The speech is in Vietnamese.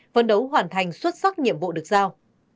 phân đấu hoàn thành xuất sắc nhiệm vụ được giao